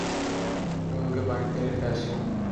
এগুলোকে পানিতে রেখে আসি।